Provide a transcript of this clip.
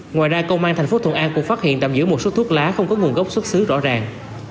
ngoài ra công an thành phố thuận an cũng phát hiện tạm giữ một số thuốc lá không có nguồn gốc xuất xứ rõ ràng